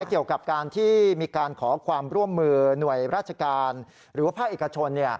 เกี่ยวกับการที่มีการขอความร่วมมือหน่วยราชการหรือว่าภาคเอกชน